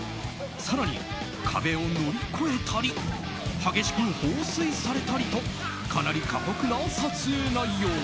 更に、壁を乗り越えたり激しく放水されたりとかなり過酷な撮影内容。